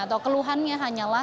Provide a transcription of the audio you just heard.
atau keluhannya hanya berubah